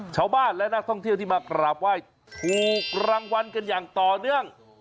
ชาวบ้านและนักท่องเที่ยวที่มากราบไหว้ถูกรางวัลกันอย่างต่อเนื่อง